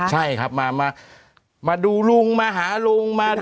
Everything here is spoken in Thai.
ใช่ครับมาดูลุงมาหาลุงมา